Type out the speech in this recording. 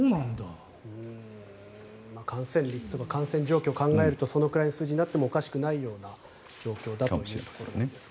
感染率とか感染状況を考えるとそのくらいの数字になってもおかしくないような状況だということかもしれないですね。